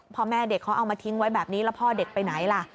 พ่อแม่เด็กเขาเอามาทิ้งไว้แบบนี้แล้วพ่อเด็กไปไหนล่ะ